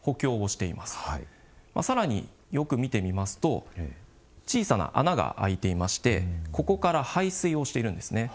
さらによく見てみますと小さな穴が開いていましてここから排水をしているんです。